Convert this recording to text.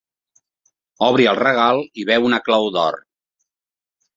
Obri el regal i veu una clau d'or.